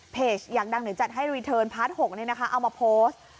เพจอยากดังเหนือจัดให้พาร์ทหกนี้นะคะเอามาโพสต์